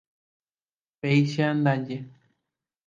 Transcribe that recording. Péicha ndaje.